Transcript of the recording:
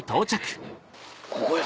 ここや。